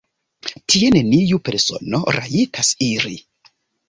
Tie neniu persono rajtas iri.